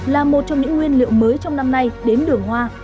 là một trong những nguyên liệu mới trong năm nay đến đường hoa